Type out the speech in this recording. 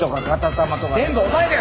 全部お前だよ！